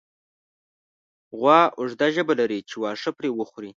غوا اوږده ژبه لري چې واښه پرې خوري.